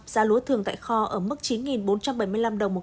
giá lúa thường tại kho ở mức chín bốn trăm bảy mươi tám